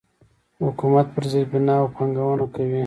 حکومت په زیربناوو پانګونه کوي.